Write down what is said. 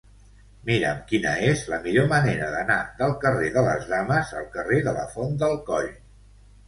Mira'm quina és la millor manera d'anar del carrer de les Dames al carrer de la Font del Coll.